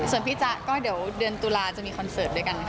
ส่วนพี่จ๊ะก็เดี๋ยวเดือนตุลาจะมีคอนเสิร์ตด้วยกันค่ะ